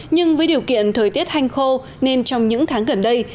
nhưng với điều kiện thời tiết hanh khô nên trong những tháng gần đây